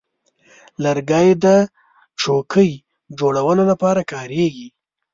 لرګی د چوکۍ جوړولو لپاره کارېږي.